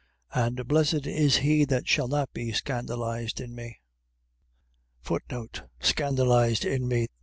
11:6. And blessed is he that shall not be scandalized in me. Scandalized in me.